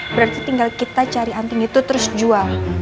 berarti tinggal kita cari anting itu terus jual